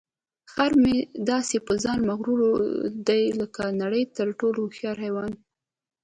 خر مې داسې په ځان مغروره دی لکه د نړۍ تر ټولو هوښیار حیوان.